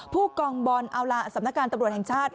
ผู้กองบอลเอาล่ะสำนักการตำรวจแห่งชาติ